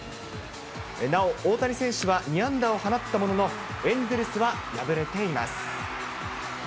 なお、大谷選手は２安打を放ったものの、エンゼルスは敗れています。